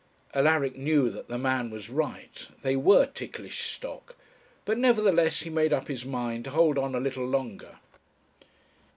Alaric knew that the man was right; they were ticklish stock: but nevertheless he made up his mind to hold on a little longer.